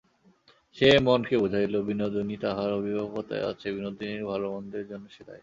সে মনকে বুঝাইল–বিনোদিনী তাহার অভিভাবকতায় আছে, বিনোদিনীর ভালোমন্দের জন্য সে দায়ী।